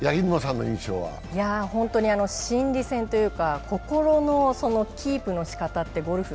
心理戦というか心のキープのしかたってゴルフ